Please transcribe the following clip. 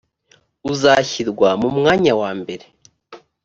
uzashyirwa mu mwanya wa mbere.